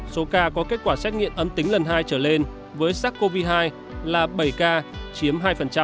số ca có kết quả xét nghiệm âm tính lần hai trở lên với sars cov hai là bảy ca chiếm hai